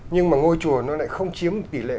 nhưng mà ngôi chùa nó lại không chiếm tỷ lệ